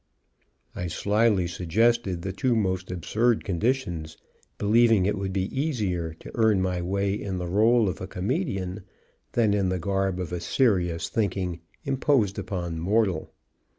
I slyly suggested the two most absurd conditions, believing it would be easier to earn my way in the rôle of a comedian than in the garb of a serious thinking, imposed upon mortal.